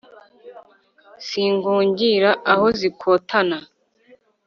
Singungira aho zikotana